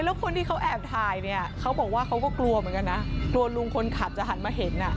แล้วคนที่เขาแอบถ่ายเนี่ยเขาบอกว่าเขาก็กลัวเหมือนกันนะกลัวลุงคนขับจะหันมาเห็นอ่ะ